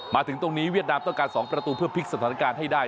มาถึงตรงนี้เวียดนามต้องการ๒ประตูเพื่อพลิกสถานการณ์ให้ได้